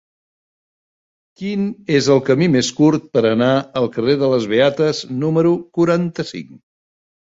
Quin és el camí més curt per anar al carrer de les Beates número quaranta-cinc?